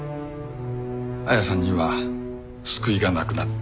亜矢さんには救いがなくなった。